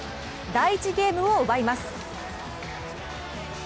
第１ゲームを奪います。